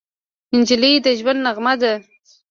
نجلۍ د ژوند نغمه ده.